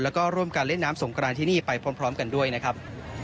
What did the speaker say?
แล้วก็ร่วมกันเล่นน้ำสงกรานที่นี่ไปพร้อมกันด้วยนะครับ